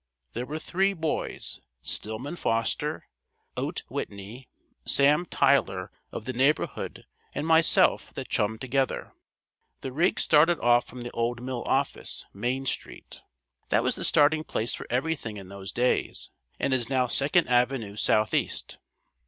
There were three boys Stillman Foster, Oat Whitney, Sam Tyler of the neighborhood and myself that chummed together. The rig started off from the old mill office, Main Street. That was the starting place for everything in those days, and is now Second Avenue Southeast.